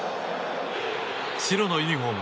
白のユニホーム